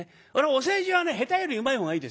お世辞は下手よりうまいほうがいいですよ。